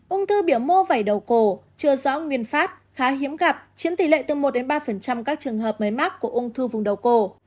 ung thư biểu mô vẩy đầu cổ chưa rõ nguyên phát khá hiếm gặp chiếm tỷ lệ từ một ba các trường hợp máy mắc của ung thư vùng đầu cổ